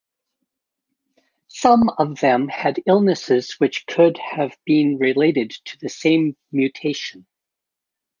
Some of them had illnesses which could have been related to the same mutation.